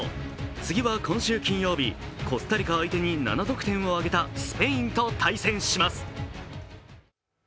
次は今週金曜日、コスタリカ相手に７得点挙げたスペインと対戦します。